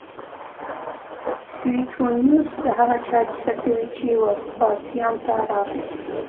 سویټونیوس د هغه چا کیسه کوي چې وسپاسیان ته راغی